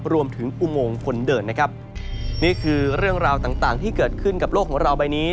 อุโมงคนเดินนะครับนี่คือเรื่องราวต่างที่เกิดขึ้นกับโลกของเราใบนี้